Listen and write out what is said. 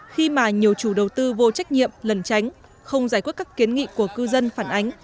khi mà nhiều chủ đầu tư vô trách nhiệm lần tránh không giải quyết các kiến nghị của cư dân phản ánh